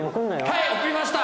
はい送りました！